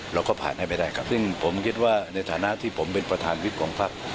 เราก็ผ่านให้ไม่ได้ครับซึ่งผมคิดว่าในฐานะที่ผมเป็นประธานวิทย์ของภักดิ์